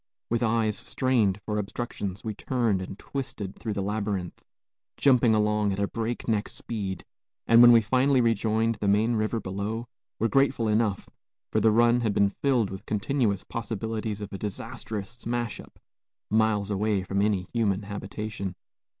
With eyes strained for obstructions, we turned and twisted through the labyrinth, jumping along at a breakneck speed; and, when we finally rejoined the main river below, were grateful enough, for the run had been filled with continuous possibilities of a disastrous smash up, miles away from any human habitation.